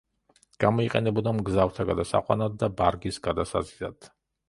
გამოიყენებოდა მგზავრთა გადასაყვანად და ბარგის გადასაზიდად.